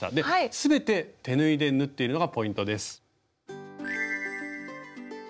全て手縫いで縫っているのがポイントです。